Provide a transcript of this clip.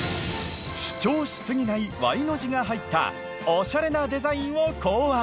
主張しすぎない「Ｙ」の字が入ったオシャレなデザインを考案。